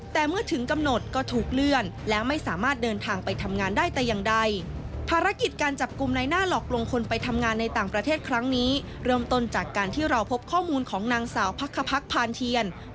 แต่เมื่อถึงกำหนดก็ถูกเลื่อนและไม่สามารถเดินทางไปทำงานได้แต่อย่างใด